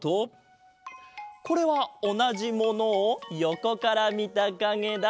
これはおなじものをよこからみたかげだ。